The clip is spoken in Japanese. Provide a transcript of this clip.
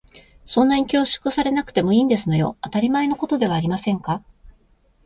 そんなに恐縮されなくてもいいんですのよ。当たり前のことではありませんか。